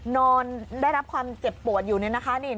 นอนได้รับความเจ็บปวดอยู่เนี่ยนะคะ